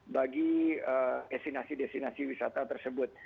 bagi destinasi destinasi wisata tersebut